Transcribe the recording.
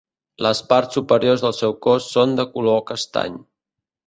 Les parts superiors del seu cos són de color castany.